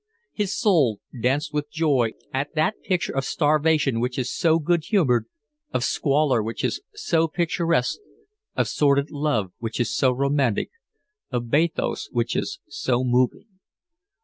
His soul danced with joy at that picture of starvation which is so good humoured, of squalor which is so picturesque, of sordid love which is so romantic, of bathos which is so moving.